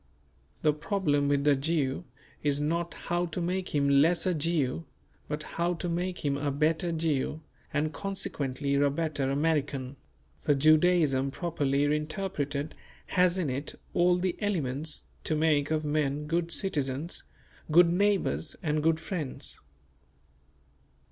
The problem with the Jew is not how to make him less a Jew; but how to make him a better Jew, and consequently a better American; for Judaism properly interpreted has in it all the elements to make of men good citizens, good neighbours and good friends.